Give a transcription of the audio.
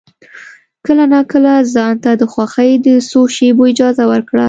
کله ناکله ځان ته د خوښۍ د څو شېبو اجازه ورکړه.